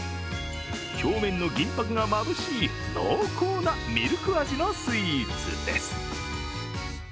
表面の銀ぱくがまぶしい、濃厚なミルク味のスイーツです。